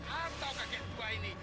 atau kaget tua ini